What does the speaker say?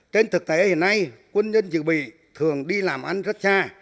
trên thực tế hiện nay quân nhân dự bị thường đi làm ăn rất xa